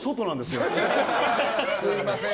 すみません。